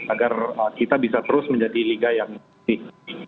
agar kita bisa terus menjadi liga yang bersih